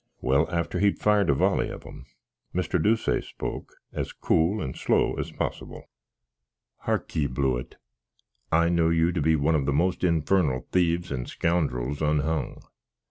Well, after he'd fired a wolley of 'em, Mr. Deuceace spoke as cool and slow as possbill. "Heark ye, Blewitt. I know you to be one of the most infernal thieves and scoundrels unhung.